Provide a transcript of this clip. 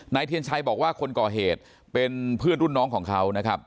เทียนชัยบอกว่าคนก่อเหตุเป็นเพื่อนรุ่นน้องของเขานะครับ